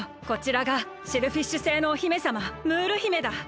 こちらがシェルフィッシュ星のお姫さまムール姫だ。